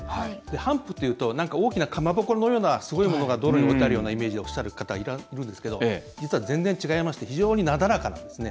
ハンプっていうと、なんか大きなかまぼこのような、すごいものが道路に置いてあるようなイメージでおっしゃる方いるんですけど実は全然違いまして非常に、なだらかなんですね。